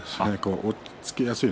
押っつけやすい。